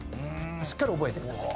しっかり覚えてください。